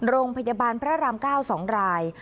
โรงพยาบาลพระรามก้าว๒ได้